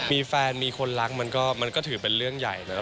มีแฟนมีคนรักมันก็ถือเป็นเรื่องใหญ่แล้ว